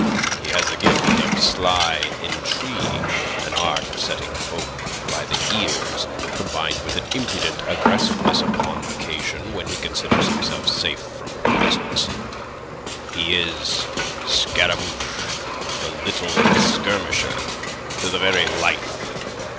He has a gift of sly intrigue, an art of setting folk by the ears, combined with an impudent aggressiveness upon occasion when he considers himself safe from reprisals. He is Scaramouche, the little skirmisher, to the very life.